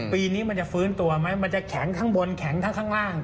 ปีนี้มันจะฟื้นตัวไหมมันจะแข็งข้างบนแข็งทั้งข้างล่าง